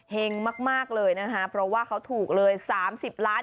เห็งมากเลยนะคะเพราะว่าเขาถูกเลย๓๐ล้าน